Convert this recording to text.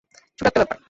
ছোটো একটা ব্যাপার।